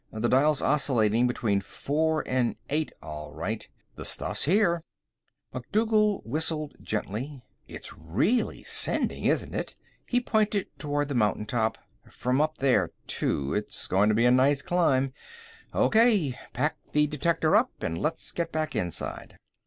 "The dial's oscillating between four and eight, all right. The stuff's here." MacDougal whistled gently. "It's really sending, isn't it!" He pointed toward the mountaintop. "From up there, too. It's going to be a nice climb. Okay, pack the detector up and let's get back inside."